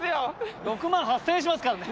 ６万８，０００円しますからね。